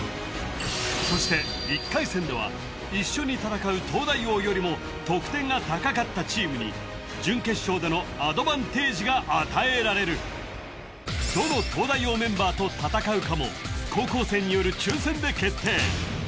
そして１回戦では一緒に戦う東大王よりも得点が高かったチームに準決勝でのアドバンテージが与えられるどの東大王メンバーと戦うかも高校生による抽選で決定